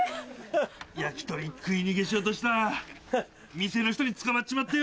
焼き鳥食い逃げしようとしたら店の人に捕まっちまってよ。